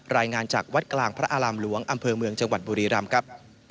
รายงานจากวัดกลางพระอารามหลวงอำเภอเมืองจังหวัดบุรีรำครับ